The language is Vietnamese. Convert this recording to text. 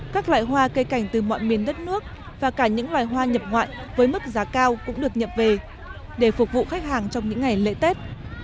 các loại hoa cây cảnh từ mọi miền đất nước và cả những loài hoa nhập ngoại với mức giá cao cũng được nhập về để phục vụ khách hàng trong những ngày lễ tết